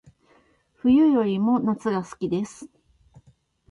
冬よりも夏が好きです